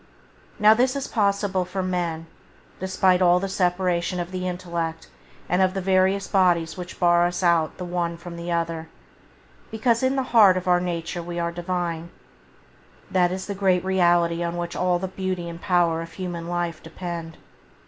Now this is possible for men, despite all the separation of the intellect and of the various bodies which bar us out the one from the other, because in the heart of our nature we are Divine. That is the great reality on which all the beauty and power of human life depend.